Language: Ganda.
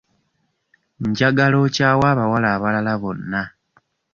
Njagala okyawe abawala abalala bonna.